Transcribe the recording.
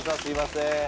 すいません。